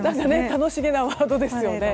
楽しげなワードですけども。